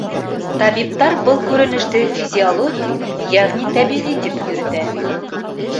Табиптар был күренеште физиологик, йәғни тәбиғи тип йөрөтә.